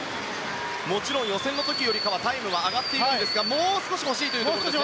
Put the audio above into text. もちろん予選の時よりはタイムは上がっていますがもう少し欲しいというところ。